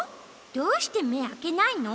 どうしてめあけないの？